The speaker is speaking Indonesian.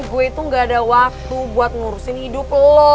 gue itu gak ada waktu buat ngurusin hidup lo